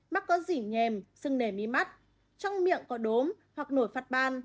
mắt có dỉ nhèm sưng nề mi mắt trong miệng có đốm hoặc nổi phạt ban